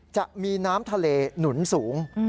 จะมีน้ำทะเลหนุนสูง